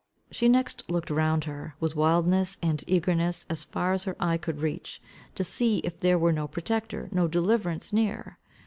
She next looked round her with wildness and eagerness, as far as her eye could reach, to see if there were no protector, no deliverance near.